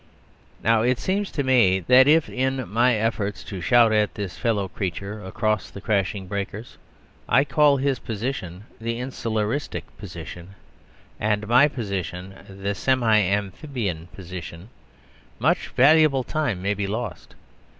Now, it seems to me, that if, in my efforts to shout at this fellow creature across the crashing breakers, I call his position the "insularistic position," and my position "the semi amphibian position," much valuable time may be lost.